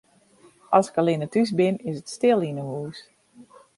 As ik allinnich thús bin, is it stil yn 'e hûs.